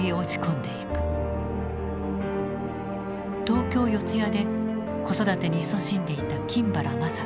東京・四ツ谷で子育てにいそしんでいた金原まさ子。